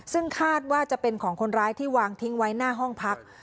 ซึ่งคาดว่าจะเป็นของคนร้ายที่วางทิ้งไว้หน้าห้องพัก